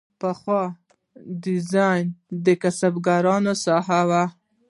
پخوا ډیزاین د کسبکارانو ساحه وه.